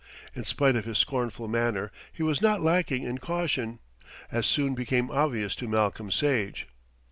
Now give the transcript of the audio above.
In spite of his scornful manner, he was not lacking in caution, as soon became obvious to Malcolm Sage.